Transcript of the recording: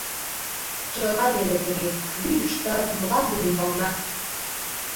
Чыла вере тыге, вӱдыштат, мланде ӱмбалнат.